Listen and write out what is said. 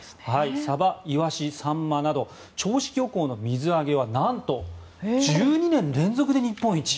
サバ、イワシ、サンマなど銚子漁港の水揚げは何と、１２年連続で日本一。